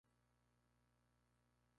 Tiene su sede central en la ciudad de Sevilla